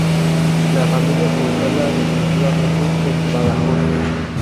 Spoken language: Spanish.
La familia se instala definitivamente en Badajoz.